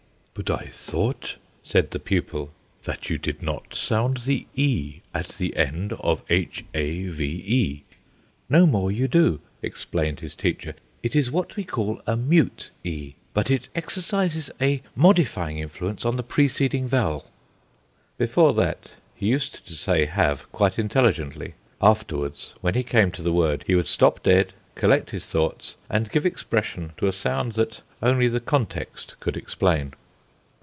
"But I thought," said the pupil, "that you did not sound the 'e' at the end of h a v e." "No more you do," explained his teacher. "It is what we call a mute 'e'; but it exercises a modifying influence on the preceding vowel." Before that, he used to say "have" quite intelligently. Afterwards, when he came to the word he would stop dead, collect his thoughts, and give expression to a sound that only the context could explain.